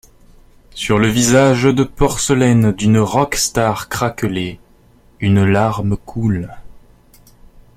Sur le visage de porcelaine d’une rock star craquelée, une larme coule.